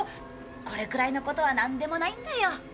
これくらいのことはなんでもないんだよ。